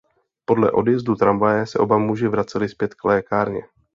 Po odjezdu tramvaje se oba muži vraceli zpět k lékárně.